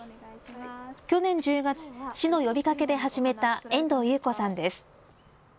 去年１０月、市の呼びかけで始めた遠藤優子さんです。